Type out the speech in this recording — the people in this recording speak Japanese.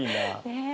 ねえ。